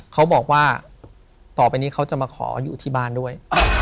เขาบอกว่าต่อไปนี้เขาจะมาขออยู่ที่บ้านด้วย